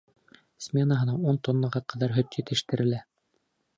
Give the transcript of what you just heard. Сменаһына ун тоннаға ҡәҙәр һөт етештерелә.